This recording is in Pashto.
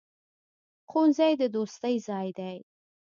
ښوونځی د دوستۍ ځای دی.